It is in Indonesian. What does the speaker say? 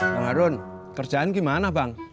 bang harun kerjaan gimana bang